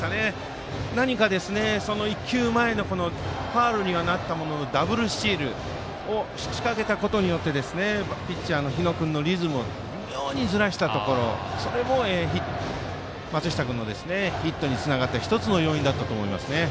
何か、１球前のファウルになったボールでダブルスチールを仕掛けたことによってピッチャーの日野君のリズムを微妙にずらしたところそれも松下君のヒットにつながった要因だと思います。